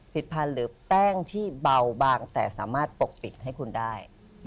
พันธุ์หรือแป้งที่เบาบางแต่สามารถปกปิดให้คุณได้